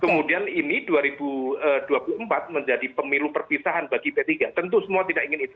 kemudian ini dua ribu dua puluh empat menjadi pemilu perpisahan bagi p tiga tentu semua tidak ingin itu